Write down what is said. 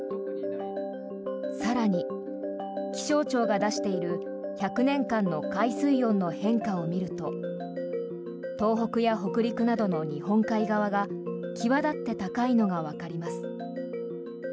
更に、気象庁が出している１００年間の海水温の変化を見ると東北や北陸などの日本海側が際立って高いのがわかります。